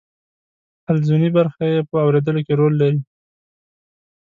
حلزوني برخه یې په اوریدلو کې رول لري.